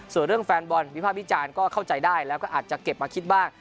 ส่วนเรื่องแฟนบอลวิภาควิจารณ์ก็เข้าใจได้แล้วก็อาจจะเก็บมาคิดบ้าง